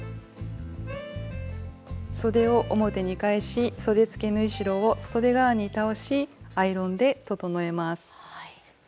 そでを表に返しそでつけ縫い代をそで側に倒しアイロンで整えます。